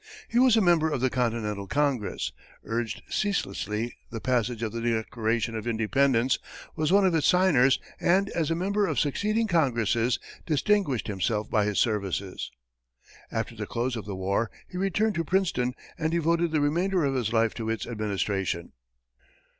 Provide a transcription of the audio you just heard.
He was a member of the Continental Congress, urged ceaselessly the passage of the Declaration of Independence, was one of its signers, and as a member of succeeding Congresses, distinguished himself by his services. After the close of the war, he returned to Princeton and devoted the remainder of his life to its administration.